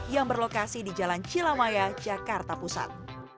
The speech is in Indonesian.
yang berlokasi di jalan cilamaya jakarta pusat